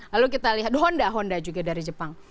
lalu kita lihat honda honda juga dari jepang